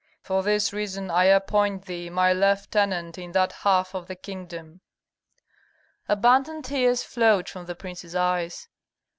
For this reason I appoint thee my lieutenant in that half of the kingdom." Abundant tears flowed from the prince's eyes.